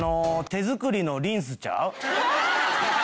手作りのリンスちゃう？